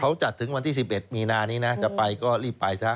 เขาจัดถึงวันที่๑๑มีนานี้นะจะไปก็รีบไปซะ